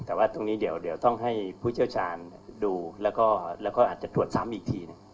แต่ว่าตรงนี้เดี๋ยวต้องให้ผู้เชี่ยวชาญดูแล้วก็อาจจะตรวจซ้ำอีกทีหนึ่ง